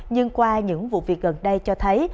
nhưng qua những vụ việc gần đây cho thấy